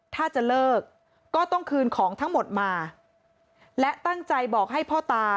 ถ้าจะเลิกก็ต้องคืนของทั้งหมดมาและตั้งใจบอกให้พ่อตา